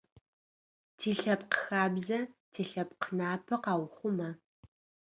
Тилъэпкъхабзэ, тилъэпкънапэ къаухъума?